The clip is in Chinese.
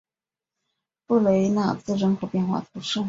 布雷纳兹人口变化图示